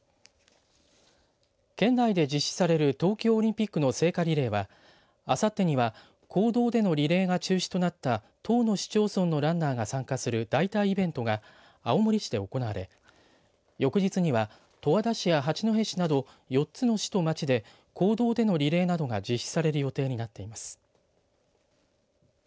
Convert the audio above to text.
県内で実施される東京オリンピックの聖火リレーはあさってには公道でのリレーが中止となった１０の市町村のランナーが参加する代替イベントが青森市で行われ翌日には十和田市や八戸市など４つの市と町で公道でのリレーなどが実施される予定になっています。